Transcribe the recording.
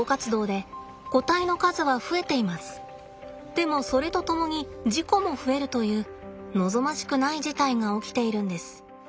でもそれとともに事故も増えるという望ましくない事態が起きているんです。